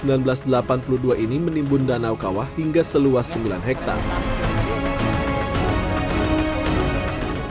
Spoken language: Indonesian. dan seribu sembilan ratus delapan puluh dua ini menimbun danau kawah hingga seluas sembilan hektare